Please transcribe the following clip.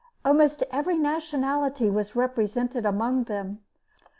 Almost every nationality was represented among them.